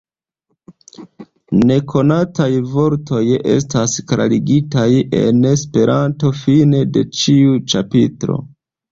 Nekonataj vortoj estas klarigitaj en Esperanto fine de ĉiu ĉapitro.